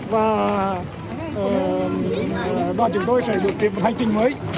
và đoàn chúng tôi sẽ đổi tiếp một hành trình mới